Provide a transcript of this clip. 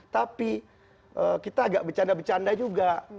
tapi kita agak bercanda bercanda juga